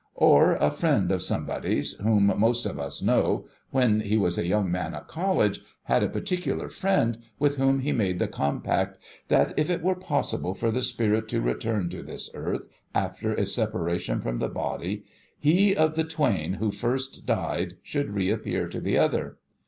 Or, a friend of somebody's whom most of us know, when he was a young man at college, had a particular friend, with whom he made the compact that, if it v/ere possible for the Spirit to return to this earth after its separation from the body, he of the twain who first died, should reappear to the other.